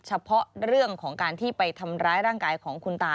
เฉพาะเรื่องของการที่ไปทำร้ายร่างกายของคุณตา